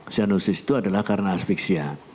cyanosis itu adalah karena asfiksia